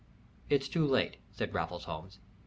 "It's too late," said Raffles Holmes.